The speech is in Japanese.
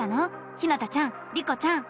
ひなたちゃんリコちゃん。